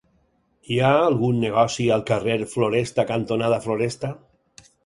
Hi ha algun negoci al carrer Floresta cantonada Floresta?